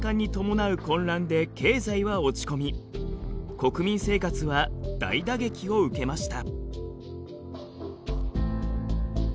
国民生活は大打撃を受けました。